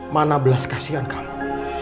mana belas kasihan kamu